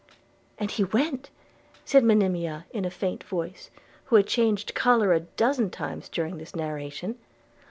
'And he went!' said Monimia in a faint voice, who had changed colour a dozen times during this narration.